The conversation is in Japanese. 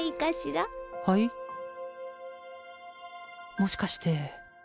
もしかして。